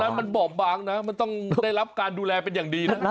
มันบอบบางนะมันต้องได้รับการดูแลเป็นอย่างดีนะ